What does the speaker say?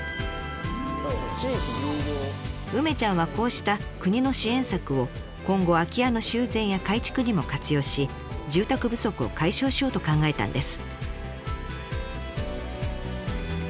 梅ちゃんはこうした国の支援策を今後空き家の修繕や改築にも活用し住宅不足を解消しようと考えたんです。